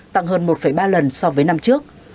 tăng hơn một ba lần so với năm trước